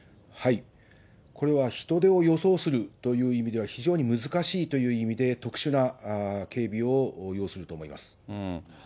これは人出を予想するという意味では、非常に難しいという意味で、特殊な警備を要すると思います。